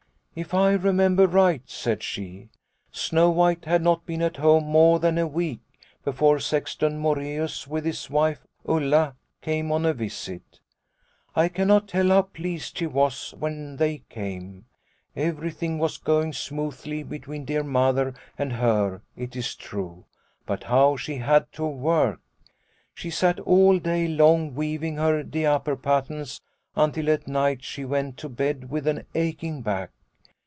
" If I remember right," said she, " Snow White had not been at home more than a week before Sexton Moreus with his wife Ulla came on a visit. I cannot tell how pleased she was when they came. Everything was going smoothly between dear Mother and her, it is true, but how she had to work ! She sat all day long weaving her diaper patterns until at night she went to bed with an aching back.